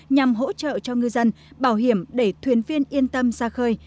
nhằm hỗ trợ cho ngư dân bảo hiểm để thuyền viên yên tâm ra khơi